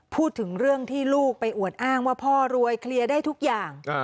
พูดถึงเรื่องที่ลูกไปอวดอ้างว่าพ่อรวยเคลียร์ได้ทุกอย่าง